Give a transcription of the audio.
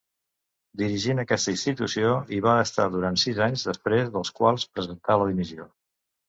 Dirigint aquesta institució hi va estar durant sis anys, després dels quals presentà la dimissió.